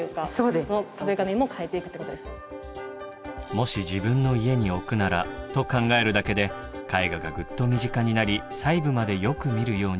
もし自分の家に置くならと考えるだけで絵画がぐっと身近になり細部までよく見るようになる。